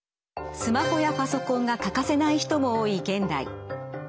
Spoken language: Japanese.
スマホやパソコンが欠かせない人も多い現代。